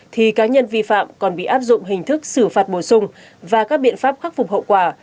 thì cá nhân vi phạm còn bị áp dụng hình thức xử phạt bổ sung và các biện pháp khắc phục hậu quả